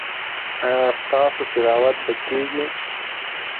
ایا ستاسو تلاوت به کیږي؟